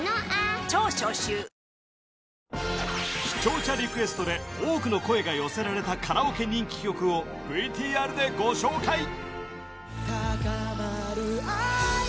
視聴者リクエストで多くの声が寄せられたカラオケ人気曲をＶＴＲでご紹介